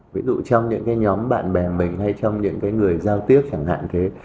ví dụ trong những cái nhóm bạn bè mình hay trong những cái người giao tiếp chẳng hạn thế